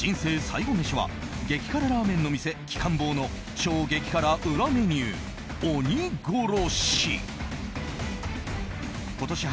最後メシは激辛ラーメンの店、鬼金棒の超激辛裏メニュー、鬼殺し。